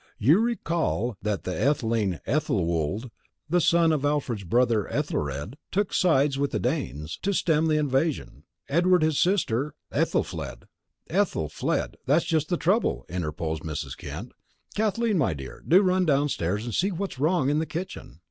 You recall that the Etheling Ethelwold, the son of Alfred's brother Ethelred, took sides with the Danes. To stem the invasion, Edward and his sister Ethelfled " "Ethel fled, that's just the trouble," interposed Mrs. Kent. "Kathleen, my dear, do run downstairs and see what's wrong in the kitchen.